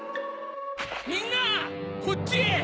みんなこっちへ！